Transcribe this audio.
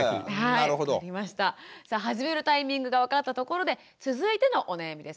さあ始めるタイミングが分かったところで続いてのお悩みです。